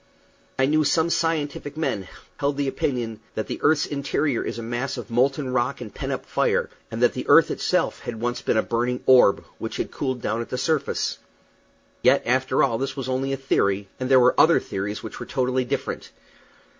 I knew some scientific men held the opinion that the earth's interior is a mass of molten rock and pent up fire, and that the earth itself had once been a burning orb, which had cooled down at the surface; yet, after all, this was only a theory, and there were other theories which were totally different.